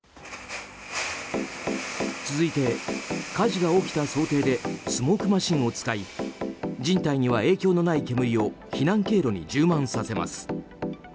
続いて、火事が起きた想定でスモークマシンを使い人体には影響のない煙を避難経路に充満させます。